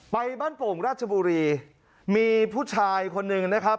ไปบ้านโป่งราชบุรีมีผู้ชายคนหนึ่งนะครับ